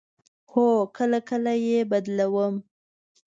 هو، کله کله یی بدلوم